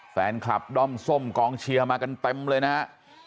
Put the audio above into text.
แฟนคลับด้อมส้มกองเชียร์มากันเต็มเลยนะฮะ